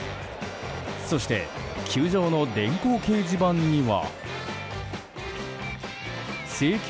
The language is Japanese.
そして球場の電光掲示板には。